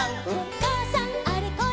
「かあさんあれこれ